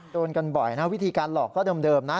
โดนกันบ่อยนะวิธีการหลอกก็เดิมนะ